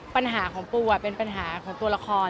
ปัญหาของปูเป็นปัญหาของตัวละคร